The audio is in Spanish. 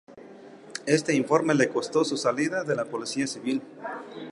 Este informe le costó su salida de la Policía civil.